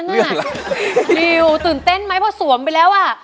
นิวตื่นเต้นมั้ยเพราะสวมไปแล้วอ่ะ